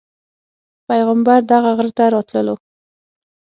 پیغمبر دغه غره ته راتللو.